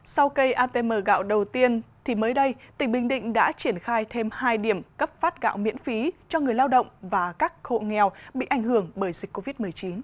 sau cây atm gạo đầu tiên thì mới đây tỉnh bình định đã triển khai thêm hai điểm cấp phát gạo miễn phí cho người lao động và các hộ nghèo bị ảnh hưởng bởi dịch covid một mươi chín